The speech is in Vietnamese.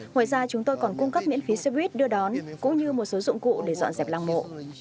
ngoài ra chúng tôi còn cung cấp miễn phí xe buýt đưa đón cũng như một số dụng cụ để dọn dẹp làng mộ